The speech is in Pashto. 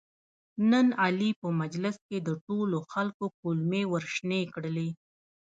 نن علي په مجلس کې د ټولو خلکو کولمې ورشنې کړلې.